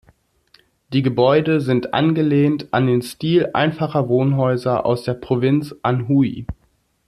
Die Gebäude sind angelehnt an den Stil einfacher Wohnhäuser aus der Provinz Anhui.